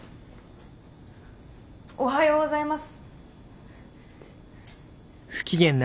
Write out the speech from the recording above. おはようございます。